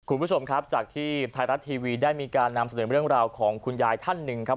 คุณผู้ชมครับจากที่ไทยรัฐทีวีได้มีการนำเสนอเรื่องราวของคุณยายท่านหนึ่งครับ